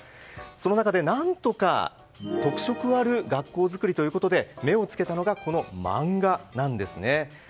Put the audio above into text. その中で何とか特色ある学校作りということで目を付けたのが、漫画なんですね。